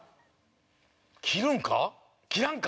切るんか？